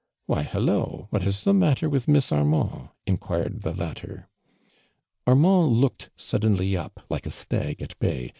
•• Why, halloii ! what is the matter with Miss Arniiuid?" ii)(|uircd the lattor. Arniand looked su<ldenly up lik(! a stag at Imy.